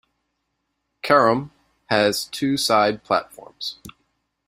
Carrum has two side platforms.